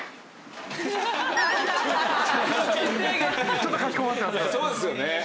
「ちょっとかしこまってます」